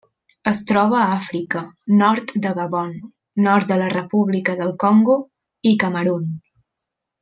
Es troba a Àfrica: nord de Gabon, nord de la República del Congo i Camerun.